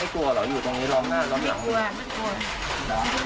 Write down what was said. แล้วยายไม่กลัวเหรออยู่ตรงนี้ร้องหน้าร้องหลัง